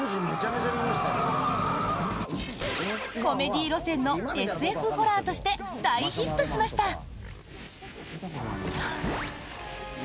コメディー路線のＳＦホラーとして大ヒットしました。